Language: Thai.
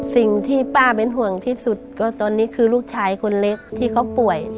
สิ่งที่ป้าเป็นห่วงที่สุดก็ตอนนี้คือลูกชายคนเล็กที่เขาป่วย